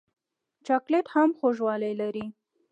چاکلېټ هم خوږوالی لري.